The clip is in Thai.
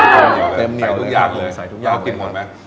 เต็มเนียวเลยครับใส่ทุกอย่างเลยครับงั้นกินหมดมั้ย